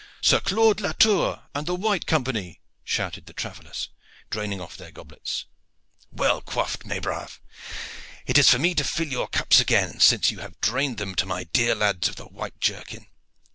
"Sir Claude Latour and the White Company!" shouted the travellers, draining off their goblets. "Well quaffed, mes braves! It is for me to fill your cups again, since you have drained them to my dear lads of the white jerkin.